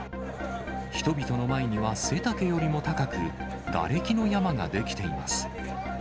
人々の前には背丈よりも高く、がれきの山が出来ています。